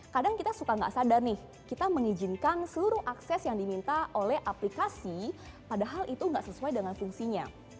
kadang kita suka nggak sadar nih kita mengizinkan seluruh akses yang diminta oleh aplikasi padahal itu nggak sesuai dengan fungsinya